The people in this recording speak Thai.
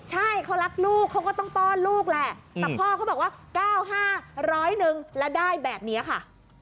ใช่เขารักลูกเขาก็ต้องป้อนลูกแหละแต่พ่อเขาบอกว่า๙๕๐๐นึงแล้วได้แบบนี้ค่ะ